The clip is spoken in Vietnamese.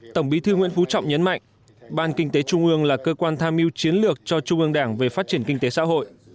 tổng bí thư nguyễn phú trọng nhấn mạnh ban kinh tế trung ương là cơ quan tham mưu chiến lược cho trung ương đảng về phát triển kinh tế xã hội